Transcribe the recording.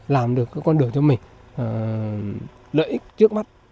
làm được con đường cho mình lợi ích trước mắt